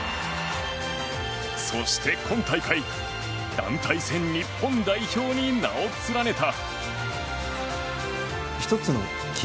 そして、今大会団体戦日本代表に名を連ねた。